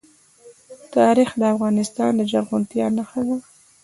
تاریخ د افغانستان د زرغونتیا نښه ده.